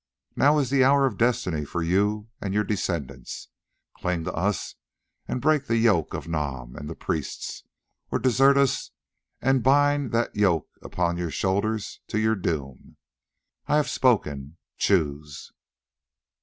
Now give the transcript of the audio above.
Now is the hour of destiny for you and your descendants: cling to us and break the yoke of Nam and the priests, or desert us and bind that yoke upon your shoulders to your doom. I have spoken—choose."